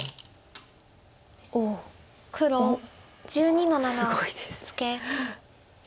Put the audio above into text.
黒１２の七ツケ。